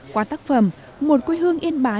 qua tác phẩm một quê hương yên bái